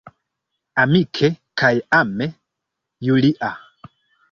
Amike kaj ame, Julia.